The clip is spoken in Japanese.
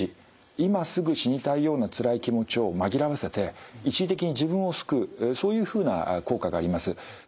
今すぐ死にたいようなつらい気持ちを紛らわせて一時的に自分を救うそういうふうな効果があります。